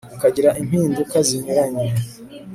ukagira impinduka zinyuranye